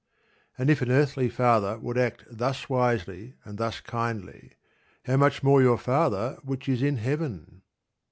And if an earthly father would act thus wisely and thus kindly, "how much more your Father which is in Heaven?"